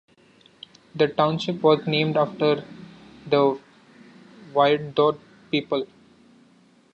The township was named after the Wyandot people.